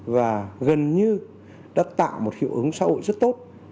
và gần như đã tạo một hiệu ứng xã hội rất tốt